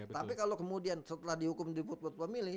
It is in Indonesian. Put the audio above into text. tapi kalau kemudian setelah dihukum di football family